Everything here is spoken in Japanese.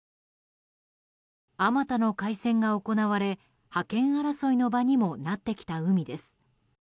あまたの海戦が行われ覇権争いの場にもなってきた海です。